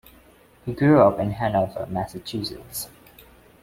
He grew up in Hanover, Massachusetts.